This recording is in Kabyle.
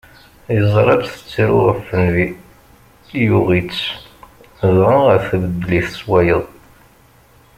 Yeẓra-tt tettru ɣef nnbi, yuɣ-itt, dɣa tbeddel-it s wayeḍ.